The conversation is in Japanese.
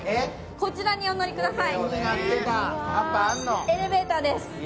こちらにお乗りください。